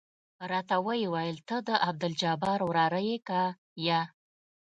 راته ويې ويل ته د عبدالجبار وراره يې که يه.